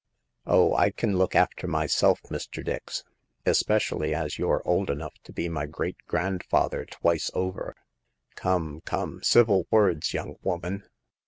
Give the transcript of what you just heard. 0h, I can look after myself, Mr. Dix, especi ally as you're old enough to be my great grand father twice over." " Come, come ! Civil words, young woman